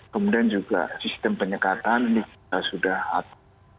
kemudian juga sistem penyekatan ini kita sudah apa